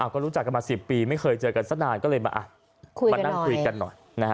ก็รู้จักกันมา๑๐ปีไม่เคยเจอกันสักนานก็เลยมานั่งคุยกันหน่อย